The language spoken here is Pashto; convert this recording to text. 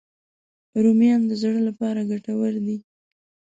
رومیان د زړه لپاره ګټور دي